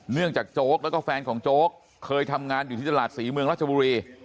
จากโจ๊กแล้วก็แฟนของโจ๊กเคยทำงานอยู่ที่ตลาดศรีเมืองราชบุรี